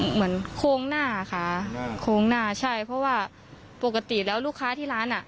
โครงหน้าค่ะโค้งหน้าใช่เพราะว่าปกติแล้วลูกค้าที่ร้านอ่ะ